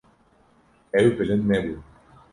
Ew bilind nebû.